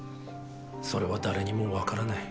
それは誰にも分からない。